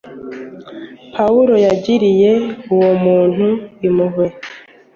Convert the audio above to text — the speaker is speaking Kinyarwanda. Pawulo yagiriye uwo muntu impuhwe,